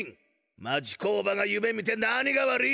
町工場がゆめみて何が悪い！